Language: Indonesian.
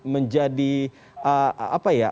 menjadi apa ya